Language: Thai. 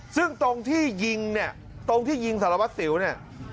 ซึ่งตรงที่ยิงเนี่ยตรงที่ยิงสารวัตรสิวเนี่ย